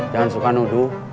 jangan suka nuduh